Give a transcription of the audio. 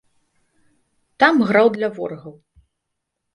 Там граў для ворагаў.